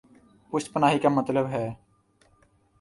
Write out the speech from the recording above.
پشت پناہی کامطلب ہے۔